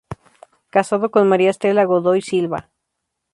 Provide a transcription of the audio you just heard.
Casado con María Estela Godoy Silva.